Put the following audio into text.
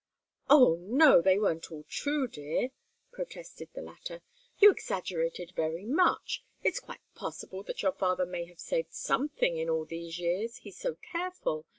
"Oh, no! they weren't all true, dear," protested the latter. "You exaggerated very much. It's quite possible that your father may have saved something in all these years he's so careful!